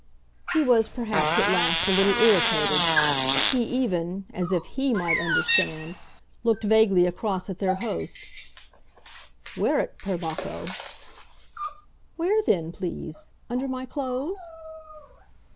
He was perhaps at last a little irritated; he even as if HE might understand looked vaguely across at their host. "Wear it, per Bacco!" "Where then, please? Under my clothes?"